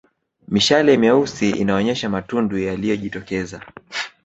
Mishale meusi inaonyesha matundu yaliyojitokeza